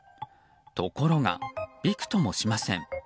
ところが、びくともしません。